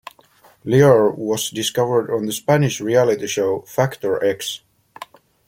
Leire was discovered on the Spanish reality show "Factor X".